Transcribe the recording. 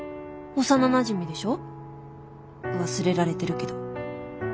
幼なじみでしょ忘れられてるけど。